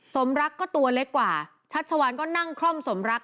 สมรักก็ตัวเล็กกว่าชัชวานก็นั่งคล่อมสมรัก